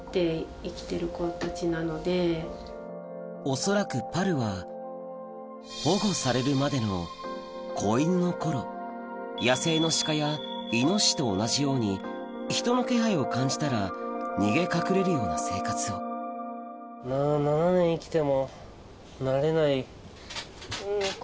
恐らくパルは保護されるまでの子犬の頃野生のシカやイノシシと同じように人の気配を感じたら逃げ隠れるような生活を７年生きても。